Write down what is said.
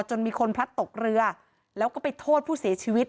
จนมีคนพลัดตกเรือแล้วก็ไปโทษผู้เสียชีวิต